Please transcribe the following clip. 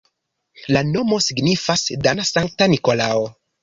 La nomo signifas dana-Sankta Nikolao.